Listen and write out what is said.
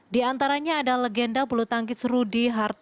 di antaranya ada legenda bulu tangkis rudy